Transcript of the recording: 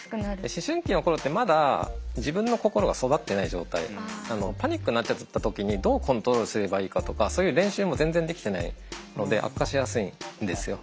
思春期の頃ってまだ自分の心が育ってない状態なのでパニックになっちゃった時にどうコントロールすればいいかとかそういう練習も全然できてないので悪化しやすいんですよ。